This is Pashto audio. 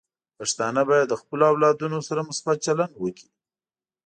پښتانه بايد د خپلو اولادونو سره مثبت چلند وکړي.